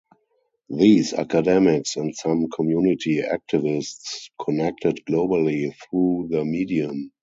These academics, and some community activists connected globally through the medium.